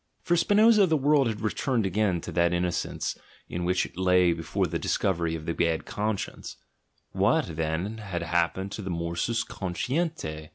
For Spinoza the world had returned again to that innocence in which it lay be fore the discovery of the bad conscience: what, then, had happened to the morsus consdentia?